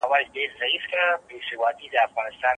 ملتونه به مهم بحثونه پرمخ وړي.